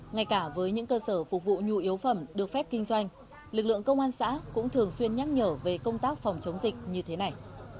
ngay cả với những cơ sở phục vụ nhu yếu phẩm được phép kinh doanh lực lượng công an xã cũng thường xuyên nhắc nhở về công tác phòng chống dịch như thế này